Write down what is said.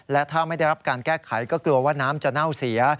และถ้าไม่ได้รับการแก้ไขก็กลัวว่าน้ำจะเน่าเสีย